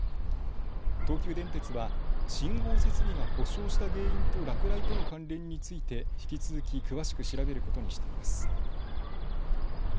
東急電鉄は信号設備が故障した原因と落雷との関連について引き続き詳しく調べることにしています。